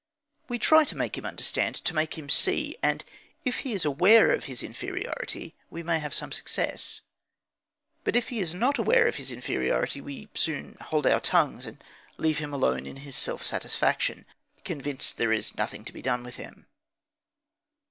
We try to make him understand, to make him see, and if he is aware of his inferiority we may have some success. But if he is not aware of his inferiority, we soon hold our tongues and leave him alone in his self satisfaction, convinced that there is nothing to be done with him.